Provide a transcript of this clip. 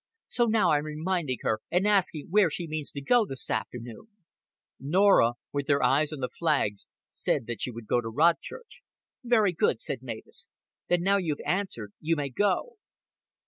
"So now I'm reminding her, and asking where she means to go this afternoon." Norah, with her eyes on the flags, said that she would go to Rodchurch. "Very good," said Mavis. "Then now you've answered, you may go."